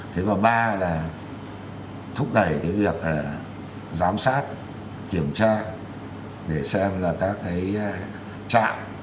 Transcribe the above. thế và ba là thúc đẩy cái việc giám sát kiểm tra để xem là các cái trạm